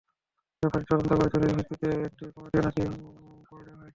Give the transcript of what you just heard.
ব্যাপারটি তদন্ত করতে জরুরি ভিত্তিতে একটি কমিটিও নাকি করে দেওয়া হয়েছে।